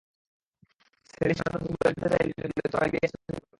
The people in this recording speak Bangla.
সেলিম, শাহাদাত, রুবেল যেতে চাইলে আমি বলি, তোরা লিবিয়ায় চাকরি করছিস।